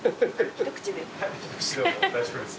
一口でも大丈夫です。